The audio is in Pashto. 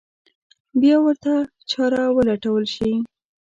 بیا ورته چاره ولټول شي.